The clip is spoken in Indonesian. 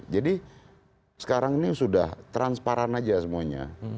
jadi sekarang ini sudah transparan aja semuanya